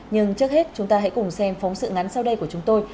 nhưng trước hết chúng ta hãy cùng xem phóng sự ngắn sau đây của chúng tôi